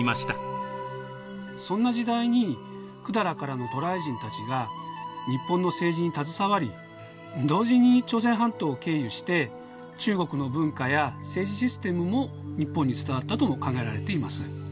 そんな時代に百済からの渡来人たちが日本の政治に携わり同時に朝鮮半島を経由して中国の文化や政治システムも日本に伝わったとも考えられています。